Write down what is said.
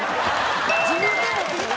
自分で持ってきたんや！